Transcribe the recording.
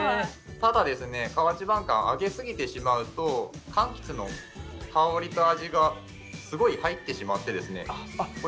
ただ河内晩柑あげすぎてしまうと柑橘の香りと味がすごい入ってしまってですね